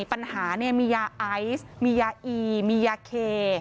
ปัญหามียาไอซ์มียาอีมียาเค